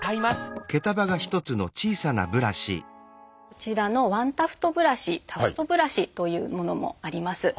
こちらのワンタフトブラシタフトブラシというものもあります。